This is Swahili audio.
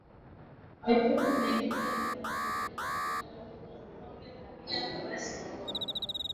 Mifugo mingine inayoathiriwa na ugonjwa huu ni ngombe ngamia farasi na mbwa